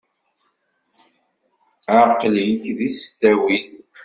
Aqqel-ik deg tesdawit.